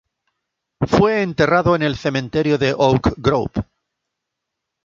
Fue enterrado en el cementerio de Oak Grove.